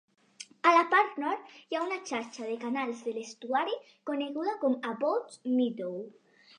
A la part nord, hi ha una xarxa de canals de l'estuari coneguda com a Abbotts Meadow.